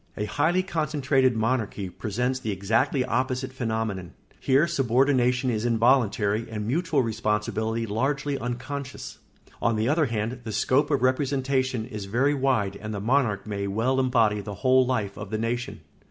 ] A highly concentrated monarchy presents the exactly opposite phenomenon. Here subordination is involuntary and mutual responsibility largely unconscious. On the other hand, the scope of representation is very wide and the monarch may well embody the whole life of the nation.